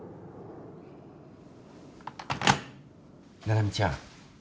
☎七海ちゃん。